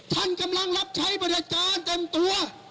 ท่านกำลังรับใช้บริการเต็มตัว